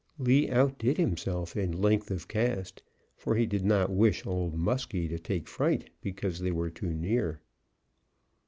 Lee outdid himself in length of cast, for he did not wish Old Muskie to take fright because they were too near.